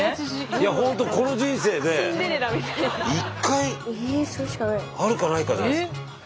いやほんとこの人生で１回あるかないかじゃないですか。